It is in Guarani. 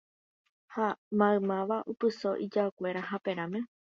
Ha maymáva oipyso ijaokuéra haperãme